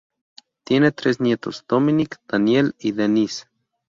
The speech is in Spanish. Tiene tres nietos: Dominique, Daniel y Denise.